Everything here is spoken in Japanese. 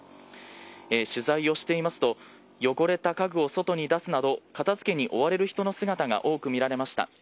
取材をしていますと汚れた家具を外に出すなど片付けに追われる人の姿が多く見られました。